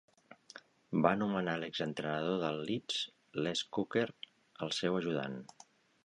Va nomenar l'exentrenador del Leeds Les Cocker el seu ajudant.